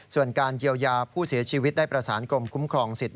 ส่วนการเยียวยาผู้เสียชีวิตได้ประสานกรมคุ้มครองสิทธ